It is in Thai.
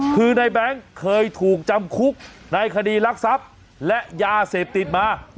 คือในแบงค์เคยถูกจำคุกในคดีรักทรัพย์และยาเสพติดมา